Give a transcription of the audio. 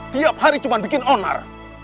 tiap hari cuma bikin onar